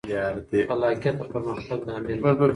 خلاقیت د پرمختګ لامل دی.